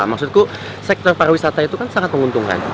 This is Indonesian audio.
maksudku sektor pariwisata itu kan sangat menguntungkan